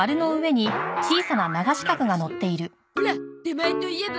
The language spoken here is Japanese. ほら出前といえば？